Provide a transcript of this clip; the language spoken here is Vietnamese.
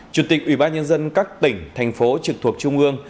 chủ tịch ubnd các tỉnh thành phố trực thuộc trung ương